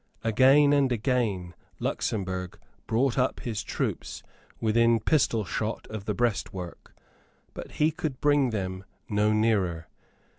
Again and again Luxemburg brought up his troops within pistolshot of the breastwork; but he could bring them no nearer.